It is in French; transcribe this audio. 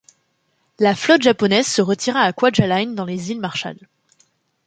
La flotte japonaise se retira à Kwajalein dans les îles Marshall.